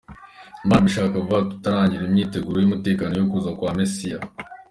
Imana nibishaka vubaha turatangira imyiteguro y’umutekano yo kuza kwa Messiah".